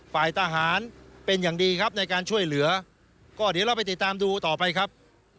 ฝ่ายทหารเป็นอย่างดีครับในการช่วยเหลือก็เดี๋ยวเราไปติดตามดูต่อไปครับ